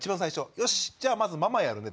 「よしじゃあまずママやるね」